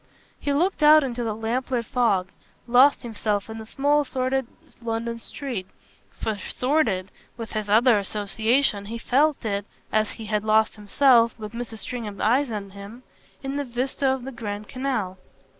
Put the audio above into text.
He looked out into the lamplit fog, lost himself in the small sordid London street for sordid, with his other association, he felt it as he had lost himself, with Mrs. Stringham's eyes on him, in the vista of the Grand Canal.